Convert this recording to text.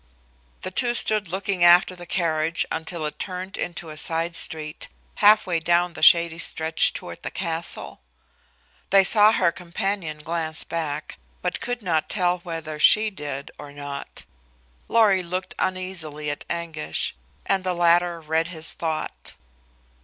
The two stood looking after the carriage until it turned into a side street, half way down the shady stretch toward the castle. They saw her companion glance back, but could not tell whether she did or not. Lorry looked uneasily at Anguish, and the latter read his thought.